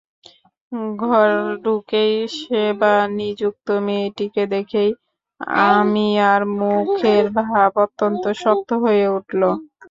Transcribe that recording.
ঘর ঢুকেই সেবানিযুক্ত মেয়েটিকে দেখেই অমিয়ার মুখের ভাব অত্যন্ত শক্ত হয়ে উঠল।